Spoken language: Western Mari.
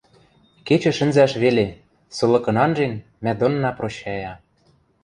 Кечӹ шӹнзӓш веле, сылыкын анжен, мӓ донна прощая.